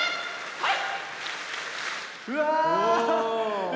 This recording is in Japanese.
はい。